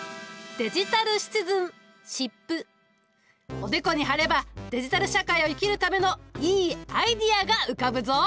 おでこに貼ればデジタル社会を生きるためのいいアイデアが浮かぶぞ。